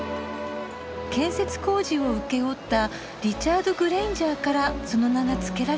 建設工事を請け負ったリチャード・グレインジャーからその名が付けられた」か。